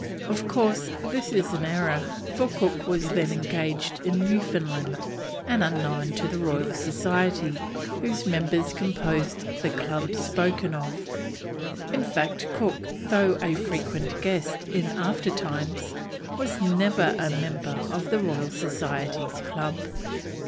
Of course, this is an error, for Cook was then engaged in Newfoundland, and unknown to the Royal Society, whose members composed the club spoken of; in fact, Cook, though a frequent guest in after times, was never a member of the Royal Societies Club.